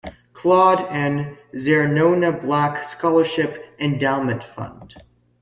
Claude and ZerNona Black Scholarship Endowment Fund.